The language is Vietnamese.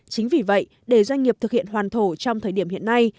chính vì vậy để doanh nghiệp thực hiện hoàn thổ trong thời điểm hiện nay